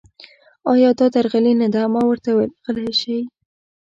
ایا دا درغلي نه ده؟ ما ورته وویل: غلي شئ.